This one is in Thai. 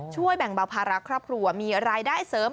ช่วยแบ่งแบบพารักข์ครับครัวมีรายได้เสริม